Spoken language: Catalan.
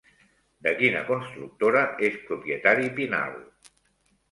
De quina constructora és propietari Pinal?